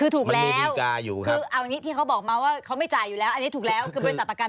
ถูกฮะมันมีแนวดีการอยู่แล้วครับ